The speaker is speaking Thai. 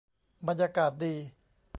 บรรยากาศดี